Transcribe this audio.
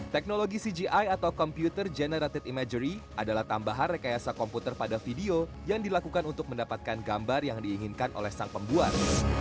teknologi cgi atau computer generated imagery adalah tambahan rekayasa komputer pada video yang dilakukan untuk mendapatkan gambar yang diinginkan oleh sang pembuat